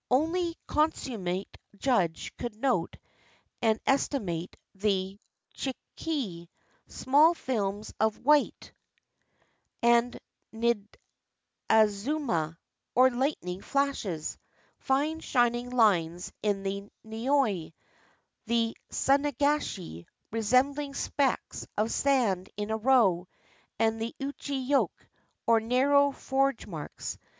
Only a consummate judge could note and estimate the chikei, small films of white; the niadziima, or "lightning flashes," fine shining lines in the nioi; the sunagashi, resembling specks of sand in a row; and the uchi yoke, or narrow forge marks.